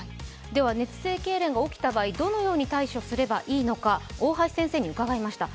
熱性けいれんが起きた場合、どのように対処すればいいのか、大橋先生に伺いました。